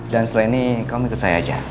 dan setelah ini kamu ikut saya aja